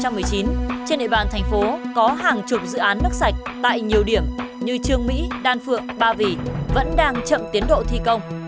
trong khi đó tính tới thời điểm tháng ba năm hai nghìn một mươi chín trên địa bàn thành phố có hàng chục dự án nước sạch tại nhiều điểm như trương mỹ đan phượng ba vỉ vẫn đang chậm tiến độ thi công